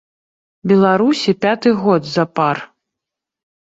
Беларусі пяты год запар.